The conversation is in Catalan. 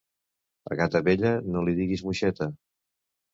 A gata vella, no li digues moixeta.